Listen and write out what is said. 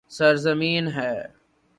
سرزمین ہے